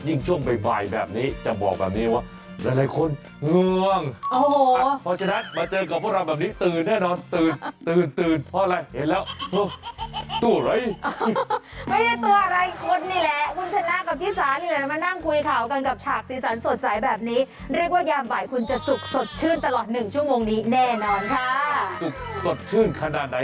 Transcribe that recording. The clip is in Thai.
ยิ่งช่วงบ่ายแบบนี้จะบอกแบบนี้ว่า